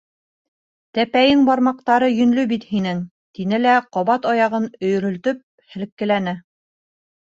Тәпәйең бармаҡтары йөнлө бит һинең! — тине лә ҡабат аяғын өйрөл-төп һелккеләне.